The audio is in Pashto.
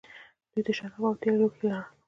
دوی د شرابو او تیلو لوښي لرل